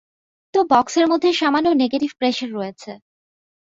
তো বক্সের মধ্যে সামান্য নেগেটিভ প্রেশার রয়েছে।